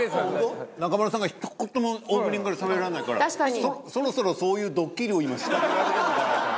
中丸さんがひと言もオープニングからしゃべらないからそろそろそういうドッキリを今仕掛けられてるのかなと。